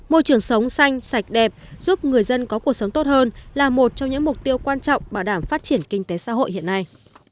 môi trường sống xanh sạch đẹp giúp người dân có cuộc sống tốt hơn là một trong những mục tiêu quan trọng bảo đảm phát triển kinh tế xã hội hiện nay